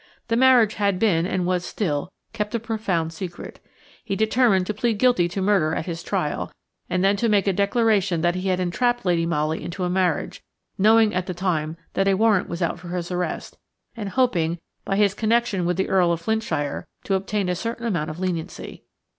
The marriage had been, and was still, kept a profound secret. He determined to plead guilty to murder at his trial, and then to make a declaration that he had entrapped Lady Molly into a marriage, knowing at the time that a warrant was out for his arrest, and hoping, by his connection with the Earl of Flintshire, to obtain a certain amount of leniency.